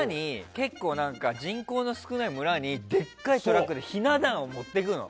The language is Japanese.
人口の少ない村に行ってでっかいトラックでひな壇を持ってくの。